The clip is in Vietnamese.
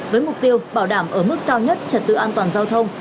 với mục tiêu bảo đảm ở mức cao nhất trật tự an toàn giao thông